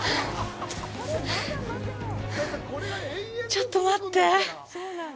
ちょっと待って。